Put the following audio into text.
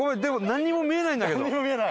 でもなんにも見えないんだけど。